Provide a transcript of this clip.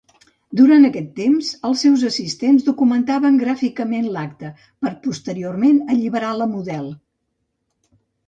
Durant aquest temps, els seus assistents documentaven gràficament l'acte, per a posteriorment alliberar la model.